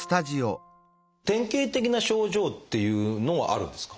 典型的な症状っていうのはあるんですか？